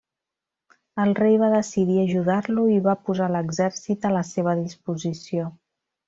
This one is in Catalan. El rei va decidir ajudar-lo i va posar l'exèrcit a la seva disposició.